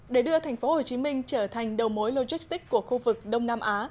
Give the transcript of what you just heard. để đưa tp hcm trở thành đầu mối logistics của khu vực đông nam á